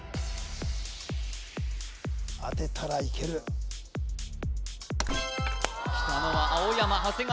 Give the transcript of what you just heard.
当てたらいけるきたのは青山長谷川